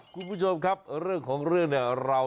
คุณผู้ชมครับเรื่องของเรื่องเนี่ย